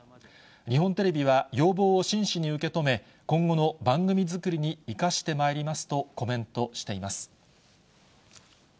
日本テレビは要望を真摯に受け止め、今後の番組作りに生かしてまいりますとコメントしています。